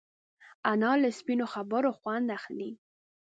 انا له سپینو خبرو خوند اخلي